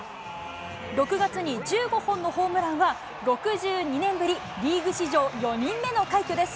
６月に１５本のホームランは６２年ぶり、リーグ史上４人目の快挙です。